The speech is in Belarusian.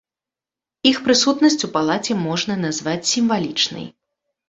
Іх прысутнасць у палаце можна назваць сімвалічнай.